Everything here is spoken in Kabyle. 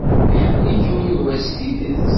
Iḥemmel-ikem Yuba s tidet.